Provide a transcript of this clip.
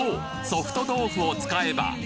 「ソフト豆腐」を使えば！